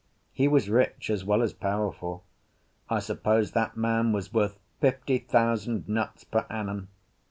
He was rich as well as powerful. I suppose that man was worth fifty thousand nuts per annum.